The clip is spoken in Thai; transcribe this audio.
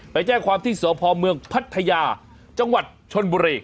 ไปแจ้งความที่สพเมืองพัทยาจังหวัดชนบุรี